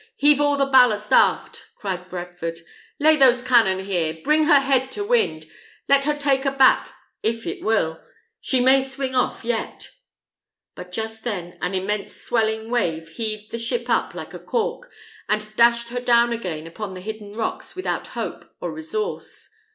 heave all the ballast aft!" cried Bradford; "lay those cannon here; bring her head to wind, let it take her aback if it will. She may swing off yet." But just then an immense swelling wave heaved the ship up like a cork, and dashed her down again upon the hidden rocks without hope or resource.